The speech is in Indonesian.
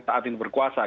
saat ini berkuasa